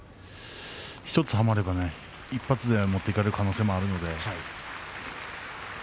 １つはまればね、１発で持っていかれる可能性があります。